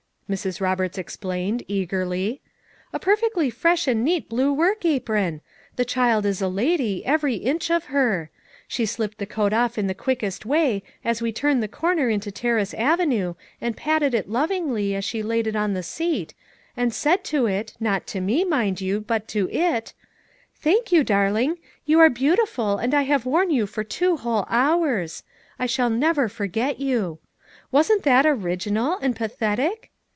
Mrs. Roberts explained eagerly. "A perfectly fresh and neat blue work apron; the child is a lady, every inch of hen She slipped the coat off in the quietest way as we turned the corner into Terrace Ave nue and patted it lovingly as she laid it on the seat, and said to it — not to me, mind you, but to it 'Thank you, darling; you are beautiful and I Have worn you for two whole hours ; I shall never forget you.' "Wasn't that original, and pathetic?